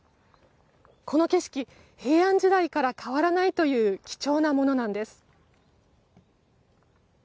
この景色、平安時代から変わらないという貴重なものなんです。